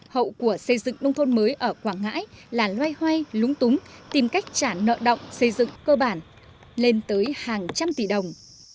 hậu của xây dựng nông thôn mới ở quảng ngãi là loay hoay lúng túng tìm cách trả nợ động xây dựng cơ bản lên tới hàng trăm tỷ đồng